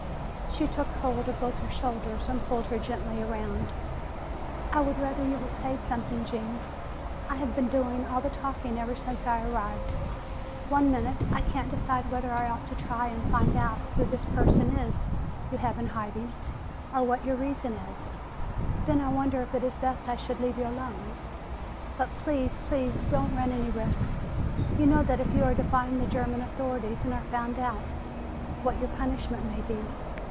She took hold of both her shoulders and pulled her gently around. "I would rather you would say something, Gene. I have been doing all the talking ever since I arrived. One minute I can't decide whether I ought to try and find out who this person is you have in hiding, or what your reason is. Then I wonder if it is best I should leave you alone? But please, please don't run any risks. You know that if you are defying the German authorities and are found out, what your punishment may be.